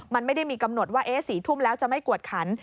มันไม่ได้มีกำหนดว่า๔ทุ่มแล้วจะไม่กวดขัน